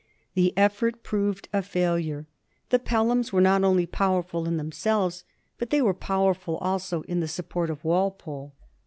The effort proved a failure. The Pelhams were not only powerful in themselves, but they were powerful also in the support of Walpole.